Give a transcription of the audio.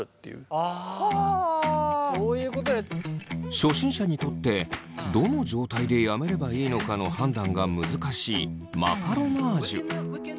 初心者にとってどの状態でやめればいいのかの判断が難しいマカロナージュ。